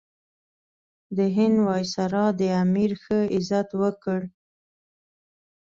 د هند وایسرا د امیر ښه عزت وکړ.